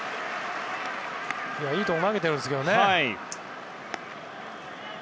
いいところ投げてるんですけどね。